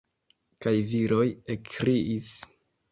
Kaj viroj ekkriis.